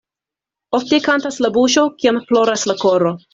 Ofte kantas la buŝo, kiam ploras la koro.